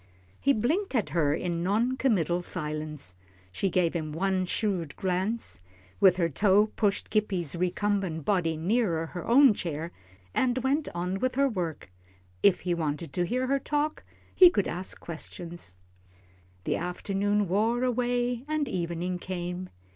He blinked at her in non committal silence. She gave him one shrewd glance, with her toe pushed Gippie's recumbent body nearer her own chair, and went on with her work. If he wanted to hear her talk, he could ask questions. The afternoon wore away and evening came.